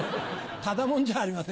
ただもんじゃありません。